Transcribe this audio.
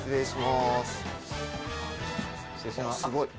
すごい。